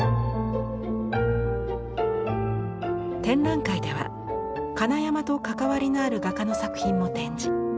展覧会では金山と関わりのある画家の作品も展示。